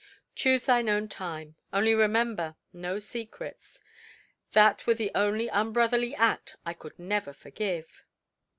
"Choose thine own time; only remember, no secrets. That were the one unbrotherly act I could never forgive."